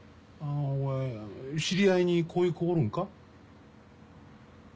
お前知り合いにこういう子おるんか？